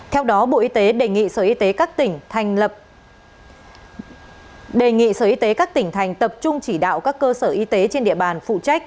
theo đó bộ y tế đề nghị sở y tế các tỉnh thành tập trung chỉ đạo các cơ sở y tế trên địa bàn phụ trách